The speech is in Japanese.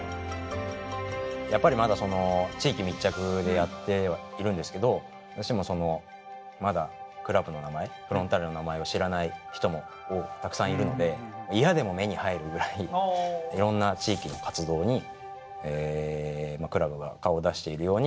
やっぱりまだその地域密着でやってはいるんですけどどうしてもまだクラブの名前フロンターレの名前を知らない人もたくさんいるのでいろんな地域の活動にクラブが顔をだしているように。